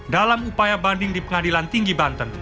dalam upaya banding di pengadilan tinggi banten